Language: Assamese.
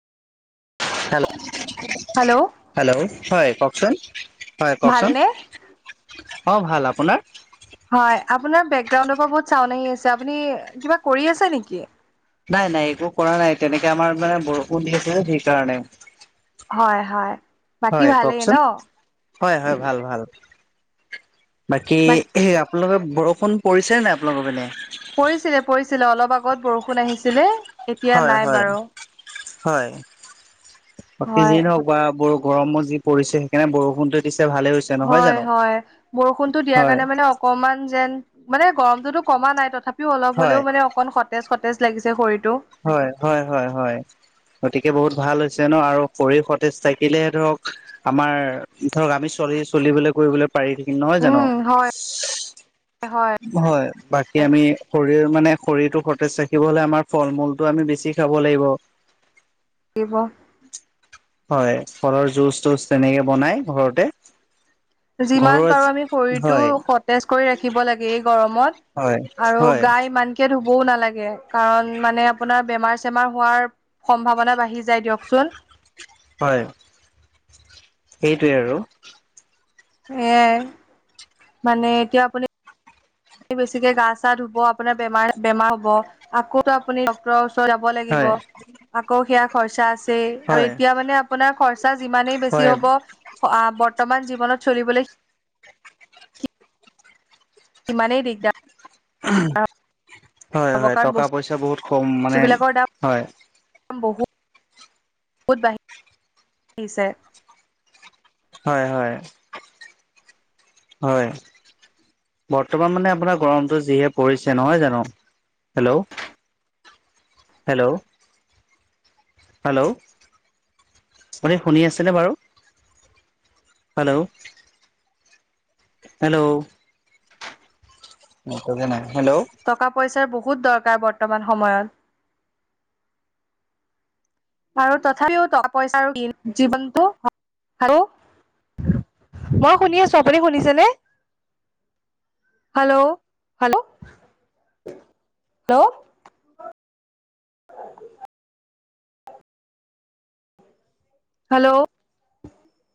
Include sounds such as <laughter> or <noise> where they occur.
হেল্ল' হেল্ল' হয় কওকচোন। হয় কওকচোন ভালনে? অ', ভাল আপোনাৰ। হয় আপোনাৰ বেকগ্ৰাউণ্ডৰ পৰা বহুত ছাউণ্ড আহি আছে আপুনি কিবা কৰি আছে নেকি? নাই নাই, একো কৰা নাই, তেনেকে আমাৰ মানে বৰষুণ দি আছিল যে সেই কাৰণে। হয় হয়। বাকী হয়, ভালেই ন? কওকচোন, হয়, হয়, ভাল ভাল। বাকী বাক এ আপোনালোকৰ বৰষুণ পৰিছে নাই? আপোনালোকৰ পিনে? পৰিছিলে পৰিছিলে, অলপ আগত বৰষুণ আহিছিলে। এতিয়া হয়, নাই হয়, বাৰু। হয়, বাকী হয় যি নহওক বা বৰ গৰমো যি পৰিছে, সেইকাৰণে বৰষুণ দি হয়, হয়, বৰষুণতটো দিয়াৰ হয় কাৰণে মানে অকমান যেন মানে গৰমতোতো কমা নাই, তথাপিও অলপ হয় হলেও মানে অকন সতেজ সতেজ লাগিছে শৰীৰ হয়, হয়, হয়, হয়, গতিকে বহুত ভাল হৈছে ন', আৰু শৰীৰ সতেজ থাকিলেহে ধৰক আমাৰ ধৰক আমি চলি চলিবলৈ কৰিবলৈ পাৰি থাকিম নহয় জানো। উম হয় হয় হয়, বাকী আমি শৰীৰ মানে শৰীৰটো সতেজ ৰাখিব হলে, আমাৰ ফল মূলতটো আমি বেছি খাব লাগিব। লাগিব। হয়, ফলৰ জুচ তুচ তেনেকে বনাই ঘৰতে যিমান ঘৰুৱা পাৰো আমি শৰীৰতটো হয় সতেজ কৰি ৰাখিব লাগে। হয় গৰমত আৰু হয় গা ইমানকে ধু বও নালাগে, কাৰণ মানে আপোনাৰ বেমাৰ চেমাৰ হোৱাৰ সম্ভাৱনা বাঢ়ি যায় দিয়কচোন। হয়, সেইটোৱে আৰু। এয়াই, মানে এতিয়া আপুনি বেছিকে গা চা ধুব, আপোনাৰ বেমাৰ বেমাৰ হ'ব, আকৌ আপুনি ডক <unintelligible> যাব লাগিব, হয় আকৌ সেয়া খৰচা আছেই, আৰু হয় এতিয়া মানে আপোনাৰ খৰচা চা যিমানেই হয় বেছি হ'ব, বৰ্তমান জীৱনত চলিবলৈ সিমানেই দিগদাৰ হয় হ'ব হয়, কাৰণ টকা পইচা বহুত কম মানে বস্তুবিলাকৰ হয়। বহুত বাহিছে। হয়, হয়, হয়। বৰ্তমান মানে আপোনাৰ গৰমটো যিহে পৰিছে নহয় জানো, হেল্ল'। হেল্ল'। হেল্ল, ' আপুনি শুনি আছেনে বাৰু? হেল্ল'। হেল্ল'। নেটৱৰ্কে নাই। হেল্ল' টকা পইচাৰ বহুত দৰকাৰ বৰ্তমান সময়ত। আৰু তথাপিও টকা পইচাৰ জীৱনটো <unintelligible> মই শুনি আছো, আপুনি শুনিছেনে? Hello, hello, ' hello. <inaudible> হেল্ল'।